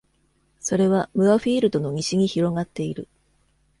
それはムアフィールドの西に広がっている。